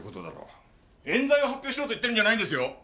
冤罪を発表しろと言ってるんじゃないんですよ！